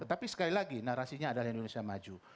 tetapi sekali lagi narasinya adalah indonesia maju